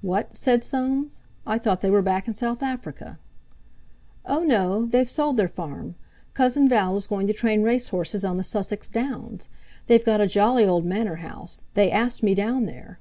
"What!" said Soames. "I thought they were back in South Africa." "Oh, no! They've sold their farm. Cousin Val is going to train race horses on the Sussex Downs. They've got a jolly old manor house; they asked me down there."